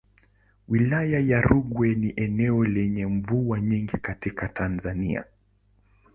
Wilaya ya Rungwe ni eneo lenye mvua nyingi katika Tanzania.